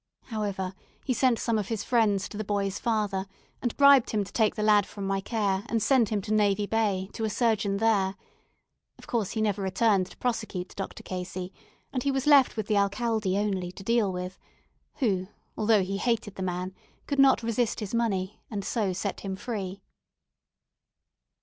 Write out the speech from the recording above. However, he sent some of his friends to the boy's father, and bribed him to take the lad from my care, and send him to Navy Bay, to a surgeon there. Of course, he never returned to prosecute Dr. Casey; and he was left with the alcalde only to deal with, who, although he hated the man, could not resist his money, and so set him free.